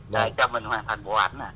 để cho mình hoàn thành bộ ảnh